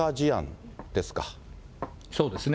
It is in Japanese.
そうですね。